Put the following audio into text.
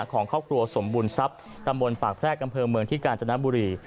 ของครอบครัวสมบูรณทรัพย์ตำบลปากแพรกอำเภอเมืองที่กาญจนบุรี